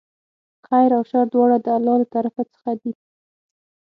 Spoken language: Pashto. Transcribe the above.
خیر او شر دواړه د الله له طرفه څخه دي.